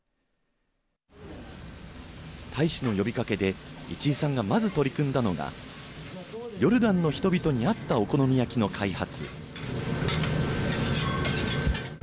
大使の呼びかけで市居さんが、まず取り組んだのがヨルダンの人々に合ったお好み焼きの開発。